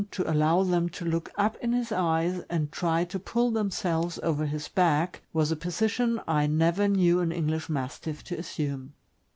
5 to allow them to look up in his eyes and try to pull themselves over his back, was a position I never knew an English Mastiff to assume.